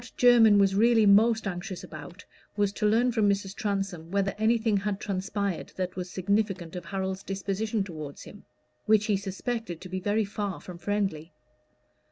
What Jermyn was really most anxious about, was to learn from Mrs. Transome whether anything had transpired that was significant of Harold's disposition toward him, which he suspected to be very far from friendly.